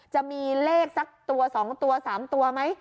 จะมีเลขสักตัว๒ตัว๓ตัวไหม